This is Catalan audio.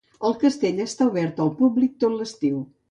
El castell està obert al públic tot l'estiu.